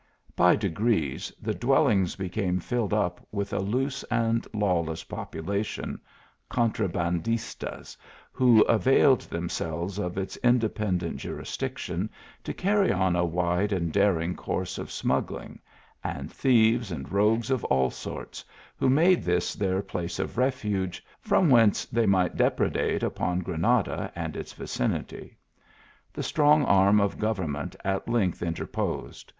By degrees the dwellings became filled up with a loose and lawless population ; cohtrabandis lat, who availed themselves of its independent ju risdk tion, to carry on a wide and daring course of smuggling, and thieves and rogues of all sorts, who made this their place of refuge, from whence they might depredate upon Granada and its vicinity. The strong arm of government at length interposed.